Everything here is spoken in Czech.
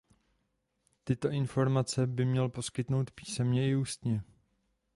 Tyto informace by měl poskytnout písemně i ústně.